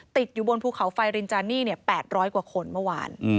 ติดอยู่บนภูเขาไฟรินจานี่๘๐๐กว่าคนเมื่อวาน